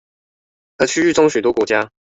和區域中許多國家